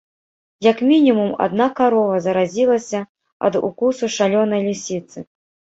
Як мінімум, адна карова заразілася ад укусу шалёнай лісіцы.